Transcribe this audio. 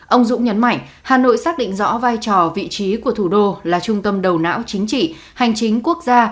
ông dũng nhấn mạnh hà nội xác định rõ vai trò vị trí của thủ đô là trung tâm đầu não chính trị hành chính quốc gia